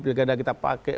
pilkada kita pakai